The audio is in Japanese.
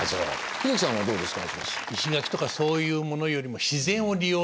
英樹さんはどうですか？